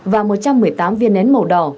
và một trăm một mươi tám viên nén màu đỏ